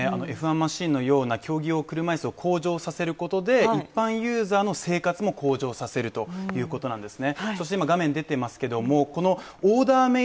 マシーンのような競技を車椅子を向上させることで、一般ユーザーの生活を向上させるということなんですね